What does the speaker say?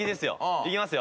いきますよ。